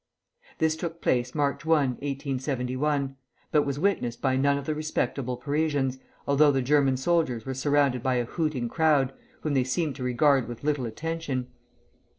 This took place March I, 1871, but was witnessed by none of the respectable Parisians, although the German soldiers were surrounded by a hooting crowd, whom they seemed to regard with little attention.